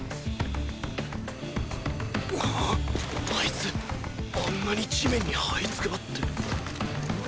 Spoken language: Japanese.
あいつあんなに地面に這いつくばって